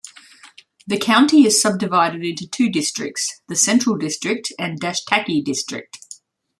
The county is subdivided into two districts: the Central District and Dashtaki District.